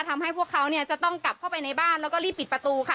พวกเขาเนี่ยจะต้องกลับเข้าไปในบ้านแล้วก็รีบปิดประตูค่ะ